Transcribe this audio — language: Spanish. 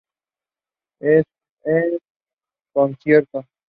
En concierto...